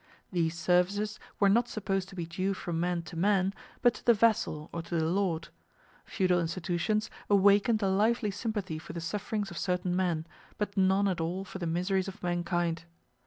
These services were not supposed to be due from man to man, but to the vassal or to the lord. Feudal institutions awakened a lively sympathy for the sufferings of certain men, but none at all for the miseries of mankind.